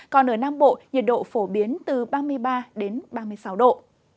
còn ở nam bộ nhiệt độ phổ biến từ ba mươi ba đến ba mươi sáu độ